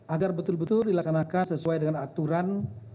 agar betul betul dilaksanakan sesuai dengan aturan